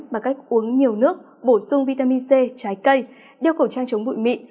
bằng cách uống nhiều nước bổ sung vitamin c trái cây đeo khẩu trang chống bụi mịn